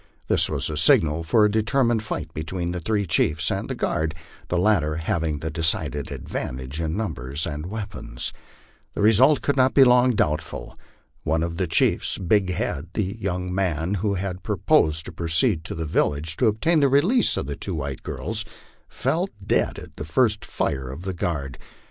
This was the signal for a determined light between the three chiefs and the guard, the latter having the decided advantage in numbers and weapons. The result could not be long doubtful. One of the chiefs, Big Head, the young man who had proposed to proceed to the village and obtain the release of the two white girls, fell dead at the first fire of the guard.